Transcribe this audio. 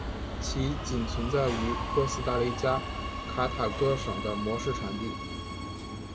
其仅存在于哥斯达黎加卡塔戈省的模式产地。